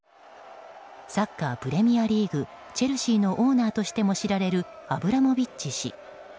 サッカープレミアリーグチェルシーのオーナーとしても知られるアブラモビッチ氏。